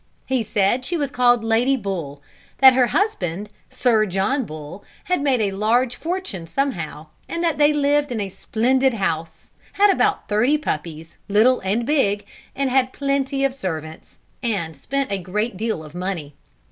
He said, she was called Lady Bull; that her husband. Sir John Bull, had made a large fortune somehow, and that they lived in a splendid house, had about thirty puppies, little and big, had plenty of servants, and spent a great deal of money.